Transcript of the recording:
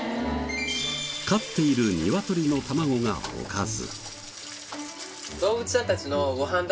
飼っているニワトリの卵がおかず。